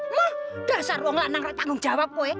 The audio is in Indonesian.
mah dasar uang lanang tak tanggung jawab kwe